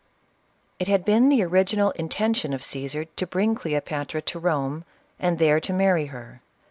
It had been the original intention of Caesar to bring Cleopatra to Rome, and there to marry her.